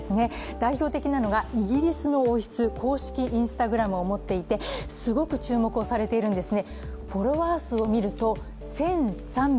代表的なのがイギリスの王室公式Ｉｎｓｔａｇｒａｍを持っていて、すごく注目されているんですね。